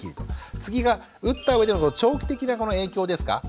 次が打ったうえでの長期的な影響ですか。